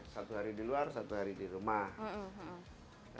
satu hari di luar satu hari di rumah